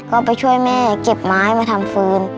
ก็ไปช่วยแม่เก็บไม้มาทำฟืน